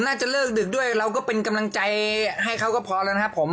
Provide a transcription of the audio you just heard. น่าจะเลิกดึกด้วยเราก็เป็นกำลังใจให้เขาก็พอแล้วนะครับผม